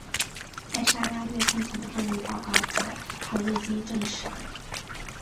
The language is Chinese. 在砂拉越幸存的动物报告则还未经证实。